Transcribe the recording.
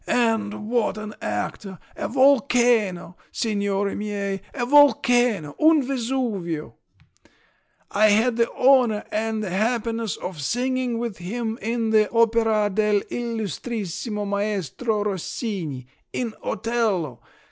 "And what an actor! A volcano, signori miei, a volcano, un Vesuvio! I had the honour and the happiness of singing with him in the opera dell' illustrissimo maestro Rossini—in Otello!